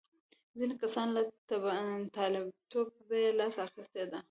ځینې کسان له طالبتوبه یې لاس اخیستی دی.